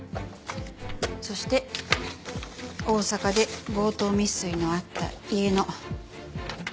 そして大阪で強盗未遂のあった家の見取り図。